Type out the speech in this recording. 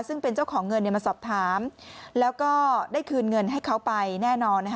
ซึ่งเป็นเจ้าของเงินมาสอบถามแล้วก็ได้คืนเงินให้เขาไปแน่นอน